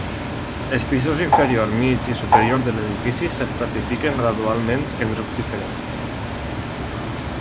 Els pisos inferior, mig i superior de l'edifici s'estratifiquen gradualment en grups diferents.